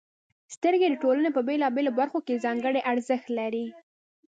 • سترګې د ټولنې په بېلابېلو برخو کې ځانګړې ارزښت لري.